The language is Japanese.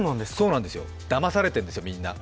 だまされてるんですよ、みんな。